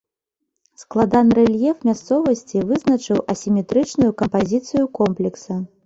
Складаны рэльеф мясцовасці вызначыў асіметрычную кампазіцыю комплекса.